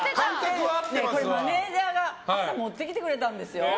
これ、マネジャーが朝、持ってきてくれたんですよ。